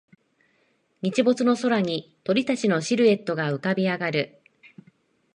日没の空に鳥たちのシルエットが浮かび上がる